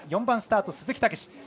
４番スタート、鈴木猛史。